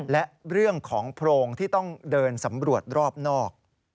และเรื่องของโพรงที่ต้องเดินสำรวจรอบนอก